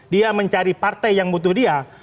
dia mencari partai yang butuh dia